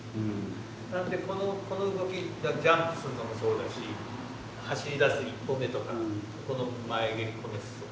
なのでこの動きジャンプするのもそうだし走りだす１歩目とかこの前蹴り。